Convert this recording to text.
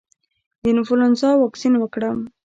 د انفلونزا واکسین وکړم؟